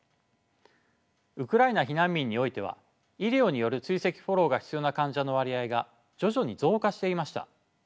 ウクライナ避難民においては医療による追跡フォローが必要な患者の割合が徐々に増加していました。